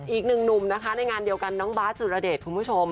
อีกหนึ่งหนุ่มในงานเดียวกันน้องบาร์ดสุระเด็ด